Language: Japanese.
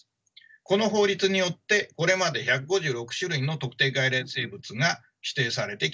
この法律によってこれまで１５６種類の特定外来生物が指定されてきました。